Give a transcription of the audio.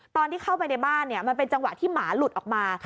ตอนที่เข้าไปในบ้านมันเป็นจังหวะที่หมาหลุดออกมา